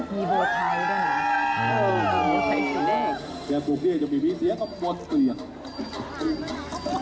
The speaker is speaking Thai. มีไทยด้วย